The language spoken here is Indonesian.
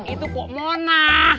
itu pok monah